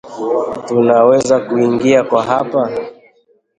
Tunaweza kuingia kwa hapa